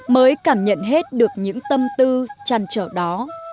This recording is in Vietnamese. mới cảm nhận hết được những tâm tư chăn trở đó